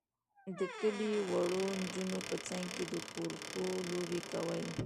د کلي وړو نجونو به څنګ کې د کورکو لوبې کولې.